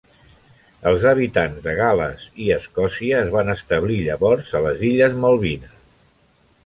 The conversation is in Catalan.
Els habitants de Gal·les i Escòcia es van establir llavors a les illes Malvines.